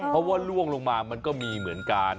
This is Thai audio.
เพราะว่าล่วงลงมามันก็มีเหมือนกัน